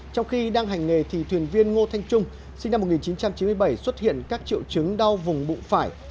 trong khi đang hành nghề thì thuyền viên ngô thanh trung sinh năm một nghìn chín trăm chín mươi bảy xuất hiện các triệu chứng đau vùng bụng phải